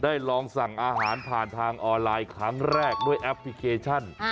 การได้สั่งอาหารผ่านทางออนไลน์คำแรกด้วยแอปพลิเคชั่น